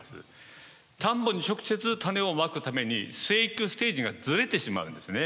田んぼに直接種をまくために生育ステージがずれてしまうんですね。